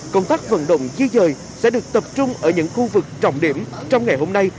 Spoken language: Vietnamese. công tác vận động di dời sẽ được tập trung ở những khu vực trọng điểm trong ngày hôm nay